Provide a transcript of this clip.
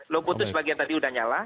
lungkutu sebagian tadi sudah nyala